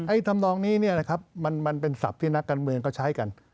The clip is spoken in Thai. ไอ้ธรรมดองนี้นะครับมันเป็นศัพท์ที่นักการเมืองเขาใช้กัน